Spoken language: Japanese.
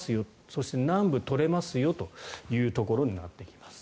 そして南部を取れますよというところになってきます。